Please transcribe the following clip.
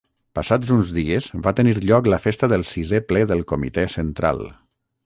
Passats uns dies, va tenir lloc la festa del Sisè Ple del Comitè Central.